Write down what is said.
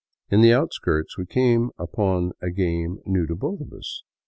In the outskirts we came upon a game new to both of us.